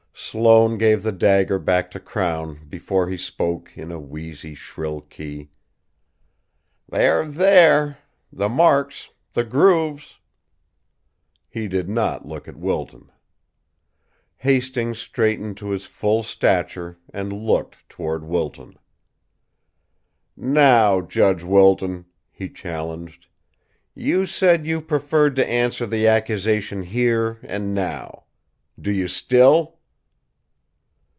Sloane gave the dagger back to Crown before he spoke, in a wheezy, shrill key: "They're there, the marks, the grooves!" He did not look at Wilton. Hastings straightened to his full stature, and looked toward Wilton. "Now, Judge Wilton," he challenged, "you said you preferred to answer the accusation here and now. Do you, still?"